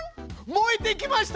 燃えてきましたよ！